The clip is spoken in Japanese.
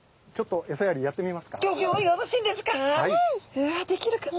うわできるかな。